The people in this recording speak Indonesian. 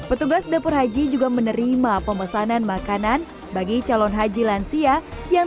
petugas dapur haji juga menerima pemesanan makanan bagi calon haji lansia yang